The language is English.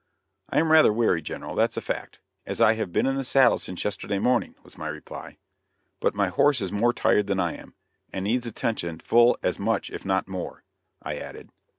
"I am rather weary, General, that's a fact, as I have been in the saddle since yesterday morning;" was my reply, "but my horse is more tired than I am, and needs attention full as much if not more," I added.